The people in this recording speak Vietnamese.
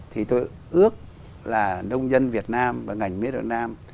thì tôi ước là nông dân việt nam và ngành mía đường nam